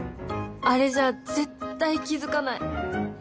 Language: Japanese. あれじゃ絶対気付かない。